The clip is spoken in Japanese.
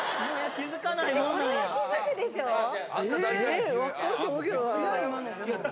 気付かないかも。